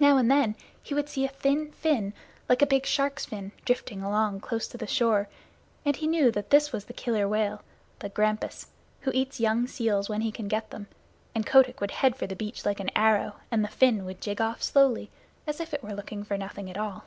Now and then he would see a thin fin, like a big shark's fin, drifting along close to shore, and he knew that that was the Killer Whale, the Grampus, who eats young seals when he can get them; and Kotick would head for the beach like an arrow, and the fin would jig off slowly, as if it were looking for nothing at all.